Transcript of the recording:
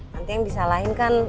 nanti yang disalahin kan